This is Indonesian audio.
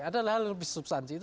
ada hal yang lebih substansi